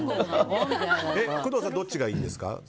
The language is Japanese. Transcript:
工藤さんはどっちがいいですか。